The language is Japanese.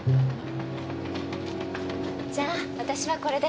じゃあ私はこれで。